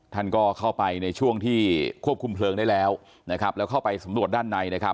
ท่านก็เข้าไปในช่วงที่ควบคุมเพลิงได้แล้วแล้วเข้าไปสำนวนด้านใน